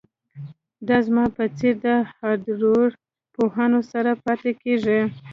دا زما په څیر د هارډویر پوهانو سره پاتې کیږي